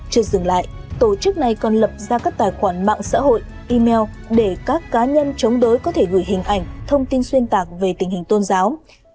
chưa dừng lại tổ chức này còn lập ra các tài khoản mạng xã hội email để các cá nhân chống đối có thể gửi hình ảnh thông tin xuyên tạc về tình hình tôn giáo